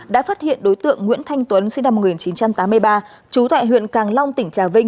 đã phát hiện đối tượng nguyễn thanh tuấn sinh năm một nghìn chín trăm tám mươi ba trú tại huyện càng long tỉnh trà vinh